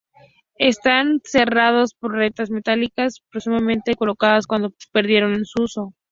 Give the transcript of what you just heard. Están cerrados por rejas metálicas, presumiblemente colocadas cuando perdieron su uso.